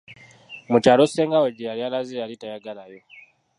Mu kyalo ssengaawe gye yali alaze yali tayagalayo.